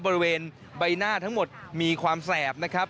บริเวณใบหน้าทั้งหมดมีความแสบนะครับ